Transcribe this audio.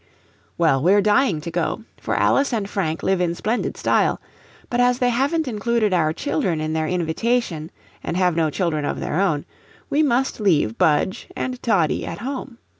Well, we're dying to go, for Alice and Frank live in splendid style; but as they haven't included our children in their invitation, and have no children of their own, we must leave Budge and Toddie at home.